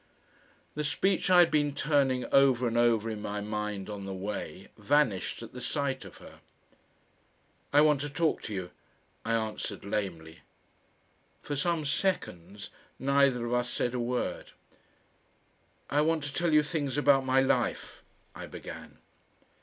The speech I had been turning over and over in my mind on the way vanished at the sight of her. "I want to talk to you," I answered lamely. For some seconds neither of us said a word. "I want to tell you things about my life," I began.